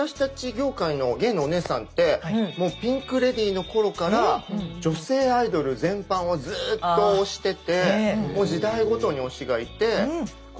業界のゲイのお姉さんってピンク・レディーの頃から女性アイドル全般をずっと推してて時代ごとに推しがいて。